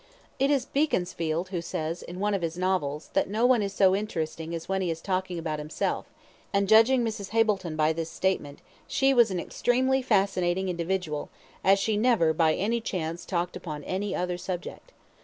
It is Beaconsfield who says, in one of his novels, that no one is so interesting as when he is talking about himself; and, judging Mrs. Hableton by this statement, she was an extremely fascinating individual, as she never by any chance talked upon any other subject.